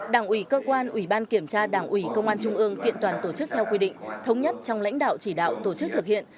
đảng ủy cơ quan ủy ban kiểm tra đảng ủy công an trung ương kiện toàn tổ chức theo quy định thống nhất trong lãnh đạo chỉ đạo tổ chức thực hiện